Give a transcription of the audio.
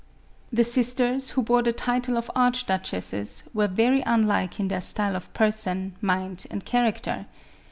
The sisters, who bore the title of archduchesses, were very unlike in their style of person, mind and charac ter.